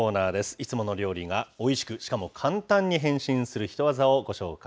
いつもの料理が、おいしく、しかも簡単に変身するヒトワザをご紹